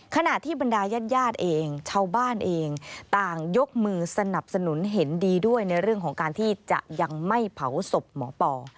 ขณะที่บรรดายาดเองชาวบ้านเองต่างยกมือสนับสนุนเห็นดีด้วยในเรื่องของการที่จะยังไม่เผาศพหมอปอ